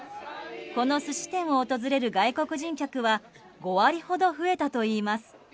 この寿司店を訪れる外国人客は５割ほど増えたといいます。